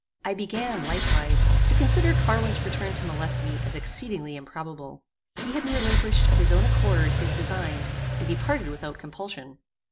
I began, likewise, to consider Carwin's return to molest me as exceedingly improbable. He had relinquished, of his own accord, his design, and departed without compulsion.